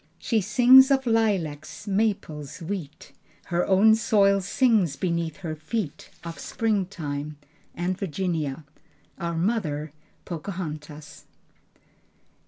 She sings of lilacs, maples, wheat, Her own soil sings beneath her feet, Of springtime And Virginia, Our Mother, Pocahontas.